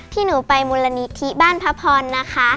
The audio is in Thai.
หนูไปมูลนิธิบ้านพระพรนะคะ